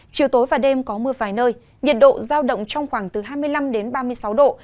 chiều tối và đêm có mưa vài nơi nhiệt độ giao động trong khoảng từ hai mươi năm đến ba mươi sáu độ